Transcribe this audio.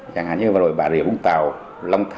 chẳng hạn như bà rịa bùng tàu lông thảo